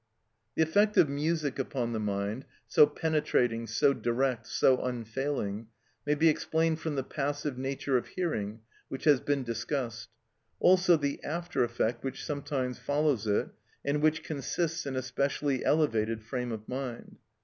The effect of music upon the mind, so penetrating, so direct, so unfailing, may be explained from the passive nature of hearing which has been discussed; also the after effect which sometimes follows it, and which consists in a specially elevated frame of mind.